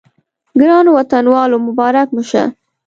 ګرانو وطنوالو مبارک مو شه.